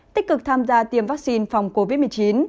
tích cực tham gia tiêm vaccine phòng covid một mươi chín